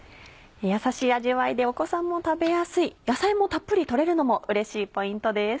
やさしい味わいでお子さんも食べやすい野菜もたっぷり取れるのもうれしいポイントです。